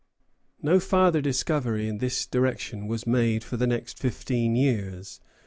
] No farther discovery in this direction was made for the next fifteen years.